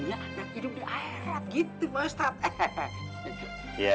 dan hidup di airat gitu pak ustadz